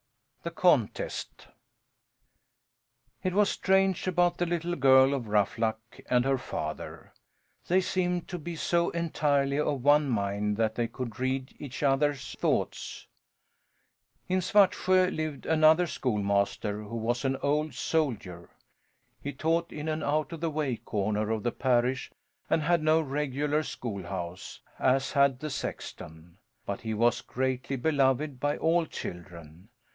THE CONTEST It was strange about the little girl of Ruffluck and her father! They seemed to be so entirely of one mind that they could read each other's thoughts. In Svartsjö lived another schoolmaster, who was an old soldier. He taught in an out of the way corner of the parish and had no regular schoolhouse, as had the sexton; but he was greatly beloved by all children.